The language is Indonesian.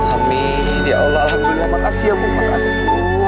amin ya allah alhamdulillah makasih ya bu makasih